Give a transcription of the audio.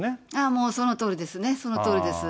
もうそのとおりですね、そのとおりです。